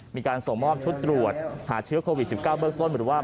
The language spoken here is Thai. มีการส่งมอบชุดตรวจหาเชื้อโควิด๑๙เบื้องต้นหรือว่า